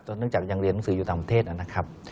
เนื่องจากยังเรียนหนังสืออยู่ต่างประเทศนะครับ